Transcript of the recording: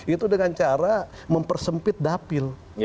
itu dengan cara mempersempit dapil